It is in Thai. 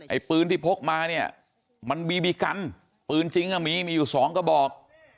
ไอ้ปืนที่พกมาเนี่ยมันบีบีกันปืนจริงมีอยู่สองก็บอก